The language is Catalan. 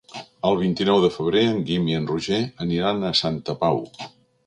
El vint-i-nou de febrer en Guim i en Roger aniran a Santa Pau.